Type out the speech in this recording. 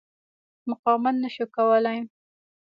مقاومت نه شو کولای.